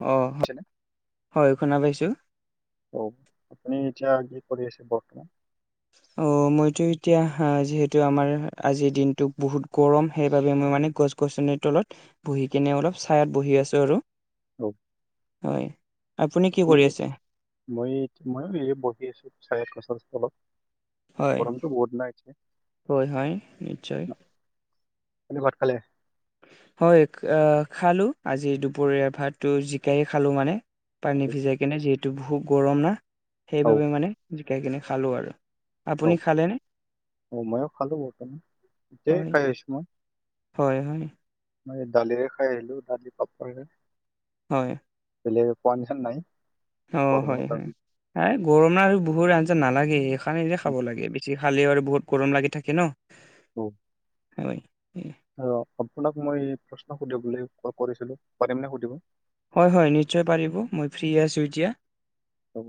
অ' [inaudible] হয় শুনা পাইছোঁ অ', আপুনি এতিয়া কি কৰি আছে বৰ্তমান অ', মইতো এতিয়া যিহেতু আমাৰ আজিৰ দিনটো বহুত গৰম সেইবাবে মই মানে গছ গছনিৰ তলত বহি কিনে অলপ ছাইাত বহি আছো আৰু অ', হয়। কি আপুনি কৰি আছে? মই ময়ো এই বহি আছো ছাঁয়া গছৰ তলত হয়, গৰমটো বহুত না হয়, হয়, নিশ্চয়। আপুনি ভাত খালে হয় খালো। আজি দুপৰীয়া ভাতটো জিকাই খালোঁ মানে। পানী অ', ভিজাই কিনে যিহেতু বহুত গৰম না অ', সেইবাবে মানে জিকাই কিনে খালো আৰু অ', আপুনি খালেনে? অ', মইও খালো এতিয়া হয়, খাই আছোঁ মই হয়, হয়। মই দালিৰে খাই আহিলো দালি পাপৰ খে হয়। [unintelligible] অ', গৰমৰ হয় হয়। কাৰণে। এ, গৰম ন আৰু বহুত আঞ্জা নালাগে। এখনে যে খাব লাগে, বেছি খালেও আৰু বহুত গৰম লাগি থাকে ন। অ' [unintelligible] অ'আপোনাক মই প্ৰশ্ন সুধিবলৈ কল কৰিছিলো পাৰিম নে সুধিবলৈ? হয়, হয় নিশ্চয় পাৰিব, মই ফ্ৰী আছো এতিয়া। অ'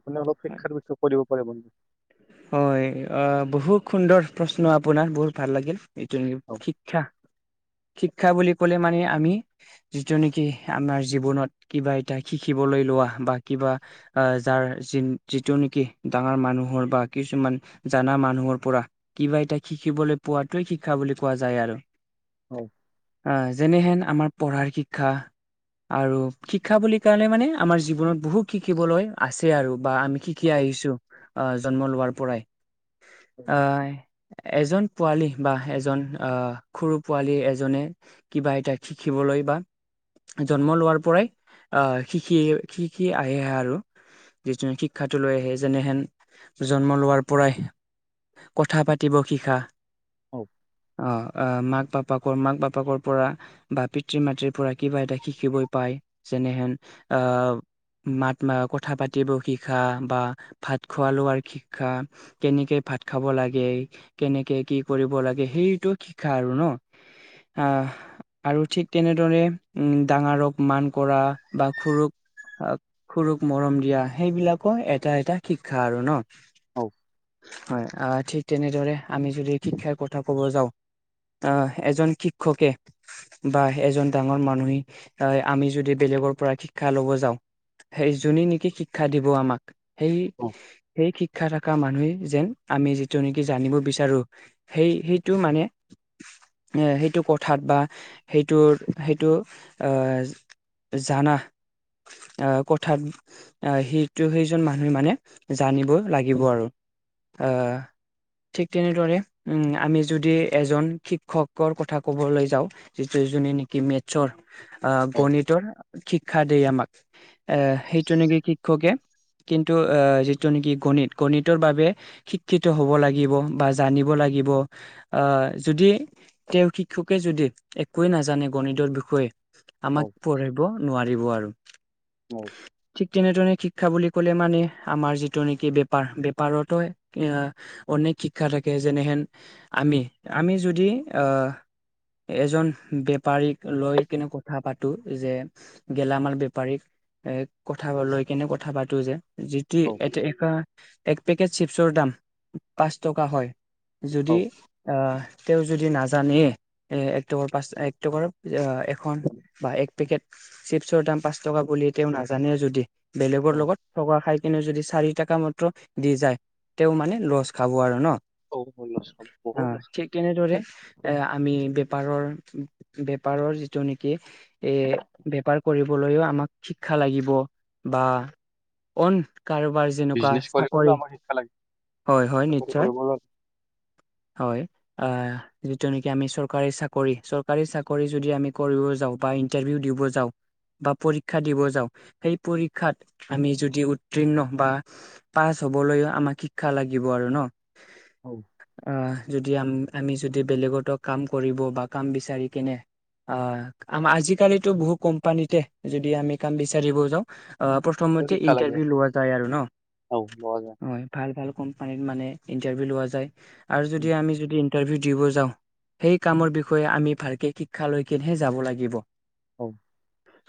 আপুনি অলপ শিক্ষাৰ বিষয় কৰিব পাৰিবনে। হয়, অ' বহুত সুন্দৰ প্ৰশ্ন আপোনাৰ বহুত ভাল লাগিল। অ', এইটোক শিক্ষা, শিক্ষা বুলি ক'লে মানে আমি। যিটো নেকি আমাৰ জীৱনত কিবা এটা শিকিবলৈ লোৱা বা কিবা। আহ যাৰ যি যিটো নেকি ডাঙৰ মানুহৰ বা। কিছুমান জানা মানুহৰ পৰা। কিবা এটাক শিকিবলৈ পোৱাতোৱে শিক্ষা বুলি কোৱা যায় আৰু। হয়। অ' যেনেহেন আমাৰ পঢ়াৰ শিক্ষা। আৰু শিক্ষা বুলি কাৰণে মানে আমাৰ জীৱনত বহু শিকিবলৈ। আছে আৰু বা আমি শিকি আহিছো, জন্ম লোৱাৰ পৰাই। অ', হয়। এজন পোৱালী বা এজন অহ' সৰু পোৱালী এজনে। কিবা এটাক শিকিবলৈ বা জন্ম লোৱাৰ পৰাই আহ শিকি-শিকি আহি আহে আৰু যিটো শিক্ষাটো লৈ আহে যেনেহেন জন্ম লোৱাৰ পৰাই কথা পাতিব শিখা অ' অ' মাক বাপাক, মাক বাপাক পৰা বা পিতৃ মাতৃৰ পৰা কিবা এটা শিকিবই পায়, যেনেহেন আহ, মাত মা কথা পাতিব শিকা বা ভাত খোৱা লোৱাৰ শি শিকা কেনেকে ভাত খাব লাগে। কেনেকে কি কৰিব লাগে। সেইটো শিকা আৰু ন আহ আৰু ঠিক তেনেদৰে উম, ডাঙৰক মান কৰা বা সৰুক সৰুক মৰম দিয়া, সেইবিলাকৰ এটা এটা শিক্ষা আৰু ন অ', হয়, আহ ঠিক তেনেদৰে আমি যদি শিক্ষাৰ কথা ক'ব যাওঁ। তাৰ এজন শিক্ষকে। বা এজন ডাঙৰ মানুহে আহ আমি যদি বেলেগৰ পৰা শিক্ষা ল'ব যাওঁ। সেই যোনে নেকি শিক্ষা দিব আমাক সেই অ', সেই শিক্ষা থকা মানুহে যেন, আমি যিটো নেকি জানিব বিচাৰো। সেই সেইটো মানে। এ, সেইটো কথাত বা সেইটোৰ সেইটো আহ জানা আহ কথাত আহ সেইটো সেইজন মানুহে মানে জানিব লাগিব আৰু আহ ঠিক তেনেদৰে আমি যদি এজন শিক্ষকৰ কথা ক'বলৈ যাওঁ। যিটো যোননে নেকি মেটছৰ আহ অ', গণিতৰ শিক্ষা দিয়ে আমাক, এ সেইটো নেকি শিক্ষকে কিন্তু, আহ যিটো নেকি গণিত গণিতৰ বাবে শিক্ষিত হ'ব লাগিব বা জানিব লাগিব। আহ যদি তেওঁ শিক্ষকে যদি একোৱে নাজানে গণিতৰ বিষয়ে। আমাক পঢ়িব নোৱাৰিব আৰু। নোৱাৰে। ঠিক তেনেদৰে শিক্ষা বুলি ক'লে মানে আমাৰ যি। যিটো নেকি বেপাৰ বেপাৰতো এ অনেক শিক্ষা থাকে যেনেহেন। আমি আমি যদি আহ। এজন বেপাৰীক লৈ কেনে কথা পাতো যে গেলামাল বেপাৰীক এ কথা লৈ কেনে কথা পাতো যে যি এ, অ', এ এক পেকেট চিপছৰ দাম পাঁচ টকা হয় যদি অ', আহ তেওঁ যদি নাজানে এ একট পচ একট এখন বা এক পেকেট চিপছৰ দাম পাঁচ টকা বুলি তেওঁ নাজানে যদি বেলেগৰ অ'। লগত থকা খাই কেনে যদি চাৰি টকা মাত্ৰ দি যায় তেওঁ মানে লচ খাব আৰু ন'? অ [unintelligible] ঠিক তেনেদৰে এ আমি বেপাৰৰ বেপাৰৰ যিটো নেকি এ বেপাৰ কৰিবলৈও আমাক শিক্ষা লাগিব বা অ' কাৰোবাৰ যেনেকুৱা বিজনেছ কৰিবলৈও চাকৰি আমাৰ শিক্ষা হয় হয় লাগে নিশ্চয় কৰিবলৈ হয়। অ' যিটো নেকি আমি চৰকাৰী চাকৰি চৰকাৰী চাকৰি যদি আমি কৰিব যাওঁ বা ইটাৰভিউ দিব যাওঁ বা পৰীক্ষা দিব যাওঁ সেই পৰীক্ষাত আমি যদি উতীৰ্ণ বা পাছ হবলৈও আমাক শিক্ষা লাগিব আৰু ন'। অ' আহ যদি আ আমি যদি বেলেগতো কাম কৰিব বা কাম বিচাৰি কেনে অ' আম আজিকালিতো বহু কোম্পানীতে যদি আমি কাম বিচাৰিব যাওঁ হৌ প্ৰথমতে শিক্ষা লাগে ইণ্টাৰভিউ লোৱা যায় আৰু ন' অ লোৱা যায় হয়। ভাল ভাল কোম্পানীত মানে ইণ্টাৰভিউ লোৱা যায় আৰু যদি আমি যদি ইটাৰভিউ দিব যাওঁ সেই কামৰ বিষয়ে আমি ভালকে শিক্ষা লৈকনেহে যাব লাগিব। অ'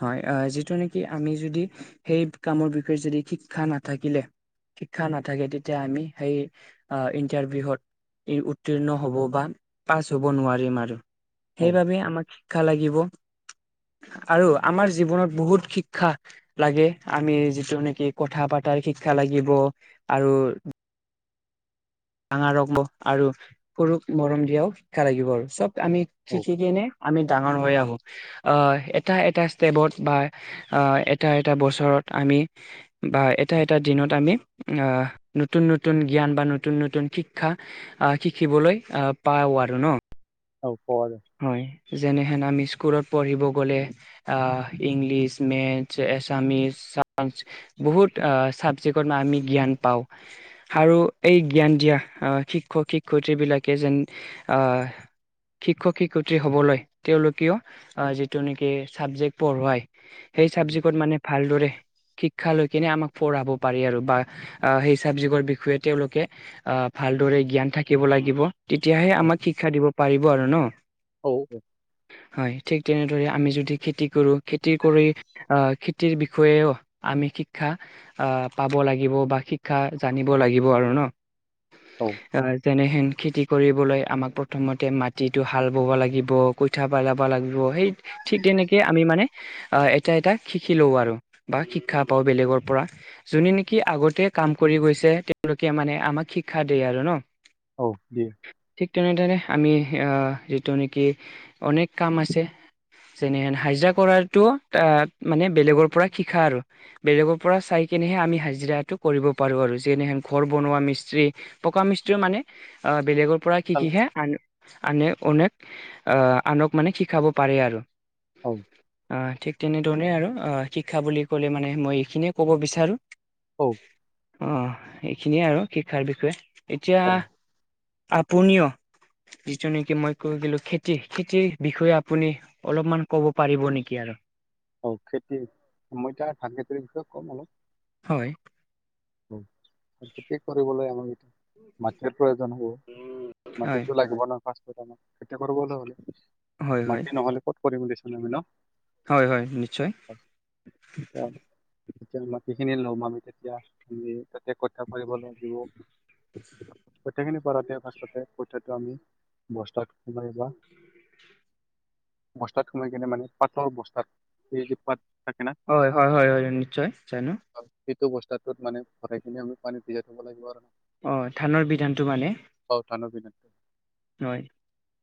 হয় অ' যিটো নেকি আমি যদি সেই কামৰ বি যদি শিক্ষা নাথাকিলে শিক্ষা নাথাকে তেতিয়া আমি সেই ইণ্টাৰভিউহত ই উত্তীৰ্ণ হ'ব বা পাছ হ'ব নোৱাৰিম আৰু অ সেইবাবে আমাক শিক্ষা লাগিব। আৰু আমাৰ জীৱনত বহুত শিক্ষা লাগে আমি যটো নেকি কথা পতাৰ শিক্ষা লাগিব আৰু ডাঙা ৰখব আৰু সৰুক মৰম দিয়াও শিক্ষা লাগিব আৰু চ'ব আমি অ শিকিকনে আমি ডাঙৰ হৈ আহোঁ। আহ এটা এটা ষ্টেপত বা আহ এটা এটা বছৰত আমি বা এটা এটা দিনত আমি নতুন নতুন জ্ঞান বা নতুন নতুন শিক্ষা আহ শিকিবলৈ আহ পাও আৰু ন। অ' [unintelligible] হয় যেনেহেন আমি স্কুলত পঢ়িব গ'লে আহ ইংলিছ মেথছ এছামিছ চাইঞ্চ বহুত ছাবজেক্টৰ ম আমি জ্ঞান পাওঁ। আৰু এই জ্ঞান দিয়া শিক্ষক শিক্ষয়িত্ৰীবিলাকে যেন শিক্ষক শিক্ষয়িত্ৰী হ'বলৈ তেওঁলোকেও যিটো নেকি চাবজেক্ট পঢ়োৱায় সেই চাবজিকত মানে ভালদৰে শিক্ষা লৈ কেনে আমাক পঢ়াব পাৰি আৰু বা আহ সেই চাবজেক্টৰ বিষয়ে তেওঁলোকে আহ ভালদৰে জ্ঞান থাকিব লাগিব তেতিয়াহে আমাক শিক্ষা দিব পাৰিব আৰু ন? অ'। হয় ঠিক তেনেদৰে আমি যদি খেতি কৰো খেতি কৰি আহ খেতিৰ বিষয়েও আমি শিক্ষা আহ পাব লাগিব বা শিক্ষা জানিব লাগিব আৰু ন। অ আহ যেনেহেন খেতি কৰিবলৈ আমাক প্ৰথমতে মাটিত টো হাল বব লাগিব কইঠা পেলাব লাগিব সেই ঠিক তেনেকে আমি মানে আহ এটা- এটা শিকি লও আৰু, বা শিক্ষা পাওঁ বেলেগৰ পৰা। যোনে নেকি আগতে কাম কৰি গৈছে, তেওঁলোকে মানে আমাক শিক্ষা দিয়ে আৰু ন। অহ। দিয়ে। ঠিক তেনেদৰে, আমি আহ -যিটো নেকি অনেক কাম আছে। যেনেহেন হাজিৰা কৰাটোত মানে, বেলেগৰ পৰা শিকা আৰু। বেলেগৰ পৰা চাই কেনেহে আমি হাজিৰাটো কৰিব পাৰো আৰু। যেনেহেন ঘৰ বনোৱা মিস্ত্ৰী পকা মিস্ত্ৰীও মানে, আহ বেলেগৰ পৰা খালা শিকিহে আন আনে, অনেক আহ -আনক মানে শিকাব পাৰে আৰু। [unintelligible] অহ। ঠিক তেনেধৰণে আৰু, শিক্ষা বুলি ক'লে মানে মই এইখিনিয়ে ক'ব বিচাৰোঁ। অহ। অহ। এইখিনিয়ে আৰু শিক্ষাৰ বিষয়ে। এতিয়া, অ আপুনিয় যিটো নেকি মই কৈ গলো, খেতি- খেতিৰ বিষয়ে আপুনি অলপমান ক'ব পাৰিব নেকি আৰু? অহ। খেতি, মই এতিয়া ধান খেতিৰ বিষয়ে ক'ম অলপ। হয়। হ। খেতি কৰিবলৈ আমাক মাতিৰ প্ৰয়োজন হ'ব। হয় মাটিতো লাগিব নহয় ফাচটৰ কাৰণে, খেতি কৰিবলৈ হ'লে। হয় হয় মাটি নহ'লে ক'ত কৰিম দেছোন আমি ন। হয়। হয়। নিশ্চয়। এতিয়া [unintelligible] মাটিখিনি লম আমি তেতিয়া, আমি তাতো ক'ত [unintelligible] কৰিব লাগিব। গোটেইখিনি কৰতে পাছতে কঠয়াটো আমি বস্তাত সোমাই বা বস্তাত সোমাই কেনে, মানে- পাতল বস্তাত, সেইযে পাত থাকে না হয়। হয়। হয়। হয়। নিশ্চয়। জানো। সেইটো অৱস্থাটোত মানে ভৰাই কেনে, আমি পানী তিয়াই থব লাগিব আৰ। অঁহ। ধানৰ বিধানটো মানে অহ। ধানৰ বিধানটো। হয়।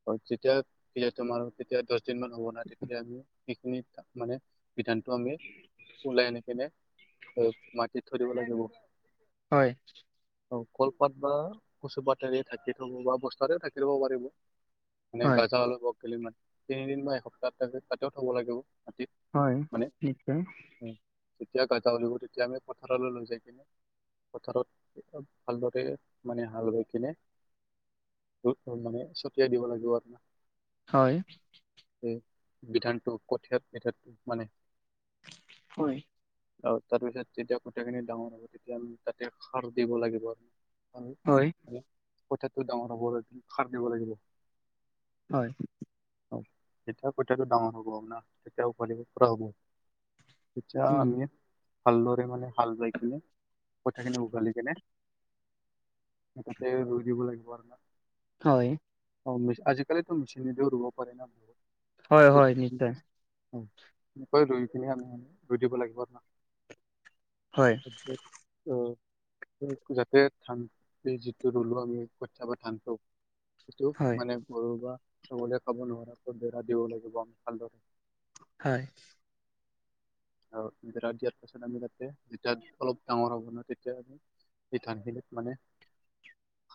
হয়। যেতিয়া [unintelligible] তোমাৰ তেতিয়া দছ দিন মান হব নহয়, তেতিয়া আমি সেইখিনি মানে বিধানটো আমি ওলাই আনি কিনে, হক - মাটিত থৈ দিব লাগিব। হয়। অহ। কলপাত বা কচুপাতেৰে ঢাকি থব, বা বস্তাৰেও ঢাকি থ'ব পাৰিব। মানে হয় গজাল [unintelligible] মানে তিনিদিন বা এসপ্তাহ তাতেও থ'ব লাগিব। মাটিত হয়। মানে [unintelligible] উম, যেতিয়া গজা ওলিয়াব, তেতিয়া আমি পথাৰলৈ লৈ যাই কেনে পথাৰত, ভালদৰে মানে হাল বাই কেনে [unintelligible] মানে ছটিয়াই দিব লাগিব আপোনাক। [unintelligible] হয় এই বিধানটো কঠিয়াত উঠত মানে হয়। অ'হ। তাৰপিছত যেতিয়া কঠিয়াখিনি ডাঙৰ হ'ব, তেতিয়া আমি তাতে সাৰো দিব লাগিব [unintelligible] আমি। হয়। হয়। কঠিয়াটো ডাঙৰ হ'ব লাগিলে, সাৰ দিব লাগিব। হয়। তেতিয়া কঠিয়াটো ডাঙৰ হব আপোনাৰ। তেতিয়া উঘালিব পৰা হ'ব। তেতিয়া উম আমি ভালদৰে মানে হাল বাই কিনে, কঠিয়াখিনি উঘালি কেনে এ তাতে ৰুই দিব লাগিব আৰু না। হয়। অহ। আজিকালিটো মেচিনেদিও ৰুব পাৰে না বহুত। হয় হয় নিশ্চয় কঠিয়াখিনি উনেকৈ ৰুই পিনি আমি ৰুই দিব লাগিব আৰু ন। হয়। উম। যাতে ধান যিটো ৰুলো আমি কঠিয়া বা ধানটো সেইটো হয় মানে গৰু বা ছাগলীয়ে খাব নোৱাৰটো বেৰা দিব লাগিব আমি ভালদৰে। হয়। আৰু বেৰা দিয়াৰ পাছত আমি তাতে যেতিয়া অলপ ডাঙৰ হ'ব ন তেতিয়া আমি সেই ধানখিনিত মানে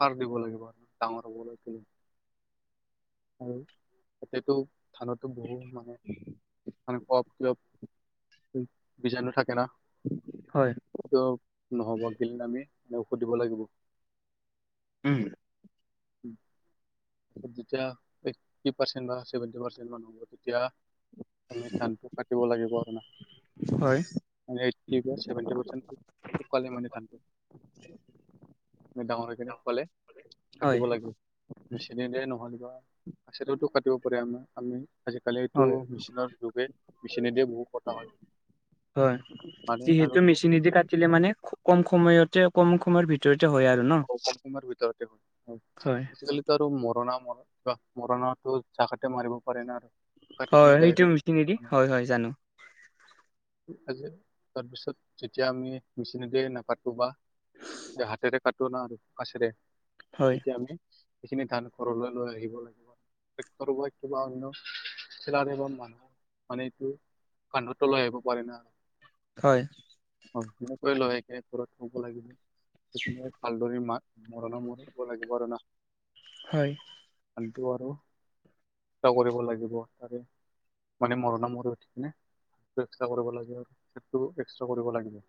সাৰ দিব লাগিব আৰু ডাঙৰ হ'ব লৈ আৰু এতিয়াটো ধানতো বহু মানে ধান কপ তিলপ বিজাণু থাকে না। হয়। নহ'ব গিল আমি ঔষধ দিব লাগিব। উম। উম। যেতিয়া এইট্টি পাৰ্চেন্ট বা ছেভেন্টি পাৰ্চেন্ট মান হ'ব তেতিয়া আমি ধানটো কাটিব লাগিব আৰু না। হয়। এইট্টি বা ছেভেন্টি পাৰ্চেন্ট শুকালে মানে ধানটো। ডাঙৰ হৈকিনে শুকালে হয় কাটিব লাগে মেচিনেৰে নহ'লে বা পাছেটোতো কাটিব পাৰে আমাৰ আমি। আজিকালিটো হয় মেচিনৰ যুগে মেচিনেদিয় বহুত কতা হয়। হয় মানে যিহেতু আৰুতো মেচিনেদি কাটিলে মানে খুব কম সময়তে কম সময়ৰ ভিত কম সময়ৰ ভিতৰতে হয় হয় আজিকালি আৰু মৰণা মৰা মৰণাটো জাগাতে মাৰিব পাৰে ন আৰু। কাটি কিনে হয় সেইটো মিচিনেদি ডাইৰেক্ট হয়, হয় জানো। তাৰপিছত যেতিয়া আমি মেচিনেদি নাকাতো বা হাতেৰে কটো ন আৰু কাচিৰে হয় তেতিয়া আমি সেইখিনি ধান ঘৰলৈ লৈ আহিব লাগিব ট্ৰেক্টৰ বা কিবা অন্য চিলাৰী বা মানুহ মানে এইটো কান্ধতো লৈ আহিব পাৰে না। হয়। অহ, সেনেকৈ লৈ আহিকিনে ঘৰত থব লাগিব সেইখিনিয়ে মা, মৰণা মাৰিব লাগিব আৰু না। হয়। আটো আৰু কৰিব লাগিব তাৰে। মানে মৰি উঠিকিনে এক্সট্ৰা কৰিব লাগে আৰু এক্সট্ৰা কৰিব লাগিব।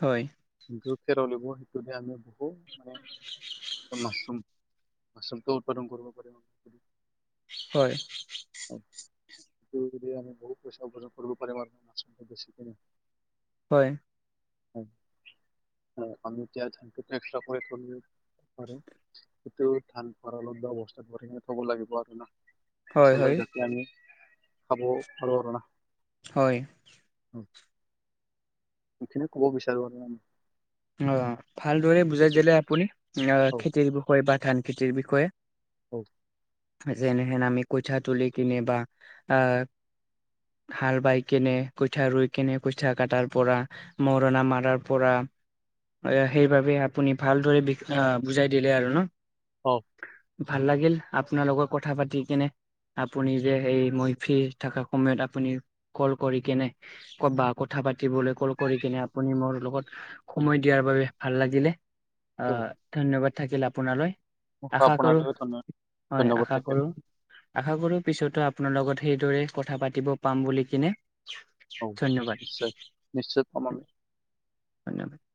হয়। যিটো খেৰলিব সেইটোহে আমি বহু মানে মাছৰুম। মচৰুমটো উৎপাদন কৰিব পাৰে। হয়। সেইটো আমি বহুত পইচা উপাৰ্জন কৰিব পাৰিম আৰু মাছৰুমটো বেছিকিনে। হয়। আমি এতিয়া ধ এক্ৰ কৰি তলো এতিয়াও ধঠান পল অৱস্থাত থব লাগিব আৰু ন। হয় আচলতে হয় যয়া আমি খাব ভালো কৰো। হয়। সেইখিনে কব বিচাৰো আৰু। অ, ভালদৰে বুজাই দিলে আপুনি অ, হও খেতিৰ বিষয়ে বা ধান খেতিৰ বিষয়ে। অ'। যেনেহেন আমি কইঠা তুলি কিনে বা আহ হাল বাই কেনে কঠীয়া ৰুই কেনে কঠীয়া কাটাৰ পৰা। মৰণা মাৰাৰ পৰা। সেইবাবে আপুনি ভালদৰে বুজাই দিলে আৰু ন। কওঁক। ভাল লাগিল আপোনাৰ লগত কথা পাতি কেনে। আপুনি যে সেই মই ফ্ৰী থকা সময়ত আপুনি কল কৰি কেনে ক'ত বা কথা পাতিবলৈ কল কৰি কিনে আপুনি মোৰ লগত সময় দিয়াৰ বাবে ভাল লাগিলে আহ ধন্যবাদ থাকিল আপোনালৈ। আশা কৰো আপোনালৈও ধন্যবাদ হয়, আশা থাকিল কৰো আশা কৰো পিছতো আপোনাৰ লগত সেইদৰে কথা পাতিব পাম বুলি কিনে। হওক নিশ্চয় নিশ্চয় পাম ধন্যবাদন আমি ধন্যবাদ।